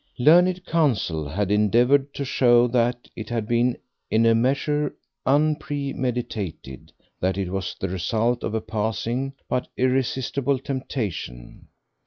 Learned counsel had endeavoured to show that it had been in a measure unpremeditated, that it was the result of a passing but irresistible temptation.